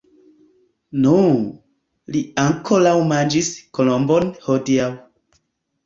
Nu! li ankoraŭ manĝis kolombon hodiaŭ.